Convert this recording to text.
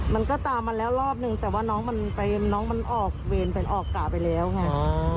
มันก็ตามมาแล้วรอบนึงแต่ว่าน้องมันไปน้องมันออกเวรเป็นออกกะไปแล้วไง